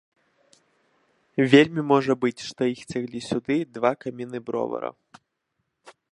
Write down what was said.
Вельмі можа быць, што іх цяглі сюды два каміны бровара.